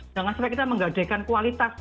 jangan sampai kita menggadekan kualitas